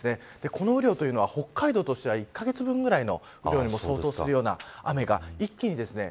この雨量というのは北海道としては１カ月分ぐらいの量に相当するような雨が一気にですね